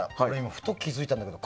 ふと、気づいたんだけど